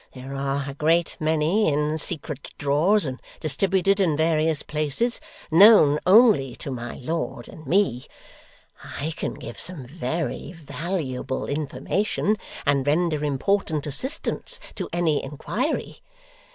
There are a great many in secret drawers, and distributed in various places, known only to my lord and me. I can give some very valuable information, and render important assistance to any inquiry.